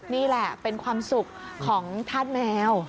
นี่แหละเป็นความสุขของธาตุแมว